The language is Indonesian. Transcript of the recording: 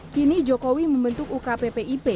kini jokowi membentuk ukppip